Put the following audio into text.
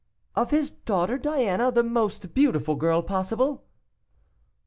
"Of his daughter, Diana, the most beautiful girl possible?"